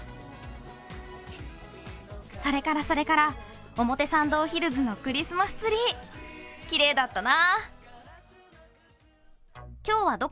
それからそれから表参道ヒルズのクリスマスツリー、きれいだったな。